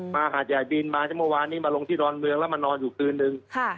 หาดใหญ่บินมาเมื่อวานนี้มาลงที่ดอนเมืองแล้วมานอนอยู่คืนนึง